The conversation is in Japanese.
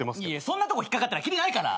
そんなとこ引っ掛かったらきりないから！